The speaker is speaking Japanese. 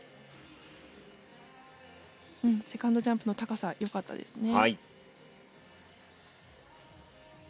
うんセカンドジャンプの高さ良かったですね。